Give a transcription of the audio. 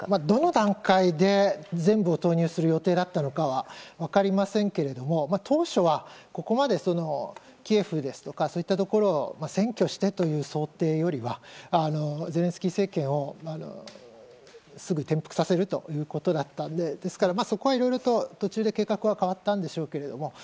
どの段階で全部を投入する予定だったのかは分かりませんけれども当初は、ここまでキエフですとかそういったところを占拠してという想定よりはゼレンスキー政権を、すぐに転覆させるということだったのでですからそこはいろいろと途中で計画は変わったんでしょうけど。